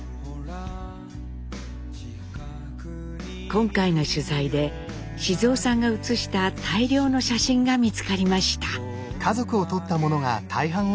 今回の取材で雄さんが写した大量の写真が見つかりました。